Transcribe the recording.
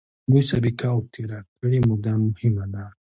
دوی سابقه او تېره کړې موده مهمه ده.